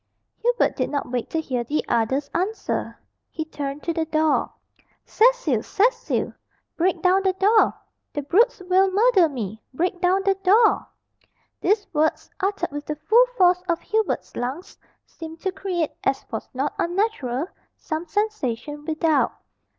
Hubert did not wait to hear the other's answer. He turned to the door. "Cecil! Cecil! break down the door. The brutes will murder me! Break down the door!" These words, uttered with the full force of Hubert's lungs, seemed to create, as was not unnatural, some sensation without.